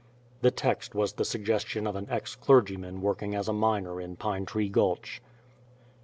The text was the suggestion of an ex clergyman working as a miner in Pine Tree Gulch.